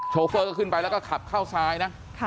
โฟเฟอร์ก็ขึ้นไปแล้วก็ขับเข้าซ้ายนะ